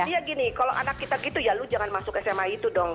ya gini kalau anak kita gitu ya lu jangan masuk sma itu dong